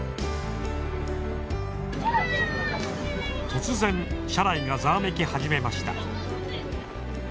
突然車内がざわめき始めました。